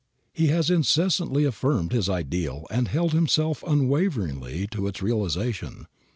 He has incessantly affirmed his ideal and held himself unwaveringly to its realization.